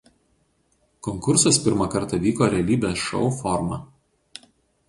Konkursas pirmą kartą vyko realybės šou forma.